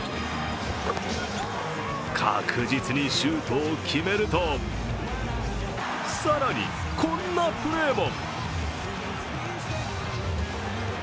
確実にシュートを決めると更に、こんなプレーも。